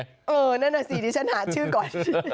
เออนั่นแหละสิที่ฉันหาชื่อก่อน